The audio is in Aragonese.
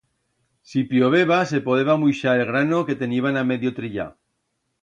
Si plloveba se podeba muixar el grano que teniban a medio trillar.